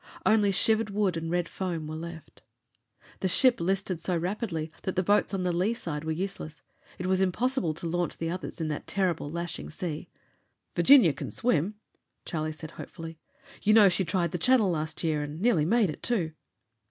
Only shivered wood and red foam were left. The ship listed so rapidly that the boats on the lee side were useless. It was impossible to launch the others in that terrible, lashing sea. "Virginia can swim." Charlie said hopefully. "You know she tried the Channel last year, and nearly made it, too."